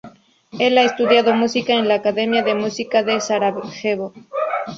Él ha estudiado música en la Academia de Música de Sarajevo.